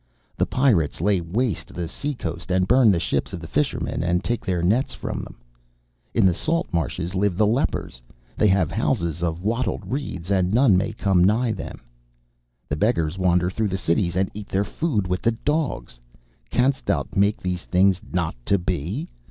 The pirates lay waste the sea coast and burn the ships of the fishermen, and take their nets from them. In the salt marshes live the lepers; they have houses of wattled reeds, and none may come nigh them. The beggars wander through the cities, and eat their food with the dogs. Canst thou make these things not to be?